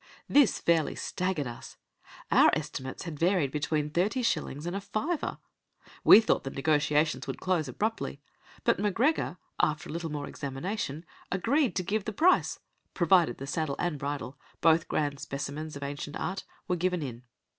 This fairly staggered us. Our estimates had varied between thirty shillings and a fiver. We thought the negotiations would close abruptly; but M'Gregor, after a little more examination, agreed to give the price, provided the saddle and bridle, both grand specimens of ancient art, were given in.